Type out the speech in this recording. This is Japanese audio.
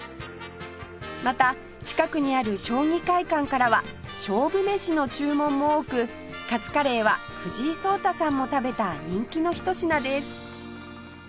また近くにある将棋会館からは勝負メシの注文も多くカツカレーは藤井聡太さんも食べた人気のひと品です